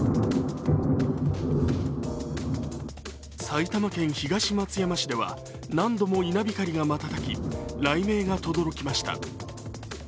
埼玉県東松山市では何度も稲光がまたたき雷鳴がとどろきました。